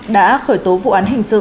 đã khởi tố vụ án hình sự